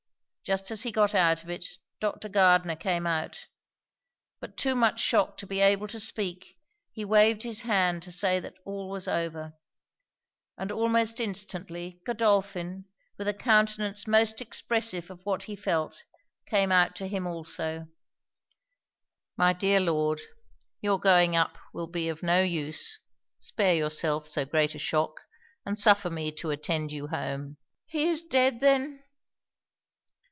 Just as he got out of it, Dr. Gardner came out; but too much shocked to be able to speak, he waved his hand to say that all was over; and almost instantly, Godolphin, with a countenance most expressive of what he felt, came out to him also. 'My dear Lord, your going up will be of no use; spare yourself so great a shock, and suffer me to attend you home.' 'He is dead then?'